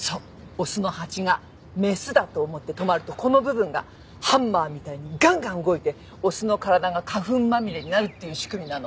オスのハチがメスだと思って止まるとこの部分がハンマーみたいにガンガン動いてオスの体が花粉まみれになるっていう仕組みなの。